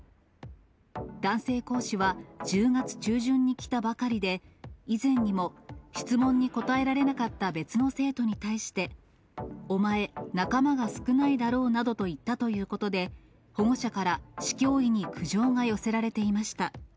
男性講師は、１０月中旬に来たばかりで、以前にも、質問に答えられなかった別の生徒に対して、お前、仲間が少ないだろうなどと言ったということで、保護者から市教委に苦情が寄せられていました。